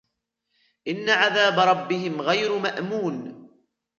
إن عذاب ربهم غير مأمون